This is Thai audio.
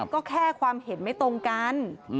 ก็แค่ความเห็นไม่ตรงกัน